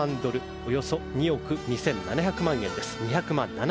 およそ２億２７００万円です。